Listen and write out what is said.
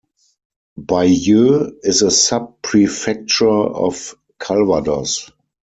Bayeux is a sub-prefecture of Calvados.